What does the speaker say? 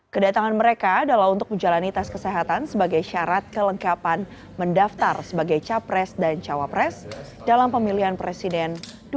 kedatangan mereka adalah untuk menjalani tes kesehatan sebagai syarat kelengkapan mendaftar sebagai capres dan cawapres dalam pemilihan presiden dua ribu sembilan belas